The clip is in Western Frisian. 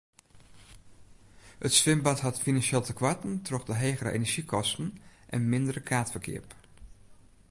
It swimbad hat finansjele tekoarten troch de hegere enerzjykosten en mindere kaartferkeap.